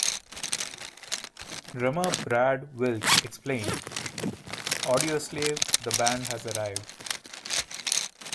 Drummer Brad Wilk explained: "Audioslave the band has arrived.